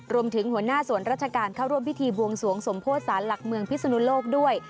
หัวหน้าสวนราชการเข้าร่วมพิธีบวงสวงสมโพธิสารหลักเมืองพิศนุโลกด้วย